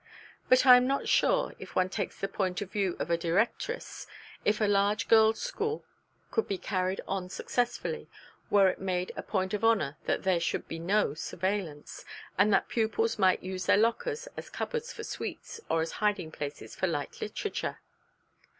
But I am not sure, if one takes the point of view of a Directress, if a large girls' school could be carried on successfully, were it made a point of honour that there should be no surveillance, and that pupils might use their lockers as cupboards for sweets, or as hiding places for light literature.